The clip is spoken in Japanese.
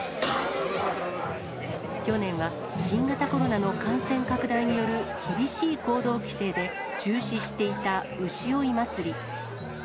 去年は、新型コロナの感染拡大による厳しい行動規制で中止していた牛追い祭り。